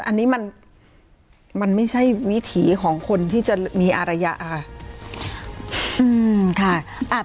อันนี้มันไม่ใช่วิถีของคนที่จะมีอารยาค่ะ